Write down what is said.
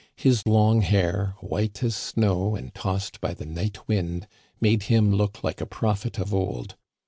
His long hair, white as snow and tossed by the night wind, made him look like a prophet of old.